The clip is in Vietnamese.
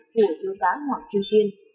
của thư giãn hoàng truyền tiên